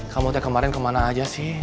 kamu udah kemarin kemana aja sih